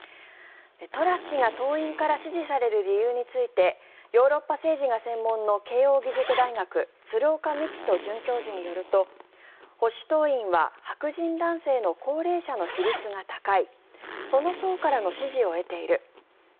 トラス氏が党員から支持される理由についてヨーロッパ政治が専門の慶應義塾大学鶴岡路人准教授によると保守党員は白人男性の高齢者の比率が高いその層からの支持を得ている。